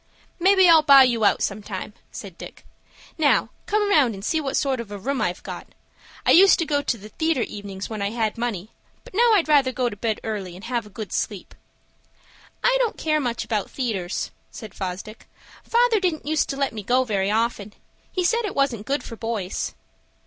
"Maybe I'll buy you out sometime," said Dick. "Now, come round and see what sort of a room I've got. I used to go to the theatre evenings, when I had money; but now I'd rather go to bed early, and have a good sleep." "I don't care much about theatres," said Fosdick. "Father didn't use to let me go very often. He said it wasn't good for boys."